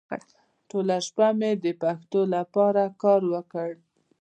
ټوله شپه مې د پښتو لپاره کار وکړ.